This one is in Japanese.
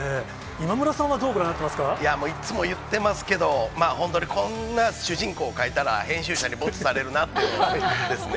今村さんはどうご覧になっていまいやもう、いつも言ってますけど、ほんとに、こんな主人公を書いたら、編集者にボツされるなって思うんですね。